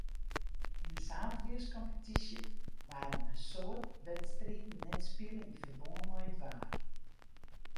Yn de saterdeiskompetysje waarden in soad wedstriden net spile yn ferbân mei it waar.